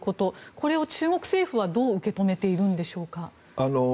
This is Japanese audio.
これを中国政府はどう受け止めているのでしょうか。